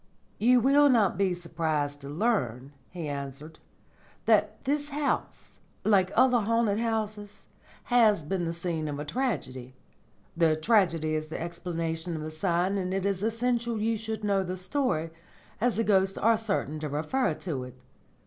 "You will not be surprised to learn," he answered, "that this house, like other haunted houses, has been the scene of a tragedy. The tragedy is the explanation of the sign, and it is essential you should know the story, as the ghosts are certain to refer to it.